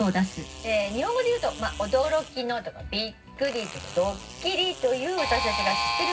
日本語で言うと「驚きの」とか「びっくり」とか「ドッキリ」という私たちが知ってる